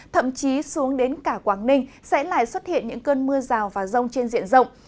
thậm chí xuống đến cả quảng ninh sẽ lại xuất hiện những cơn mưa rào và rông trên diện rộng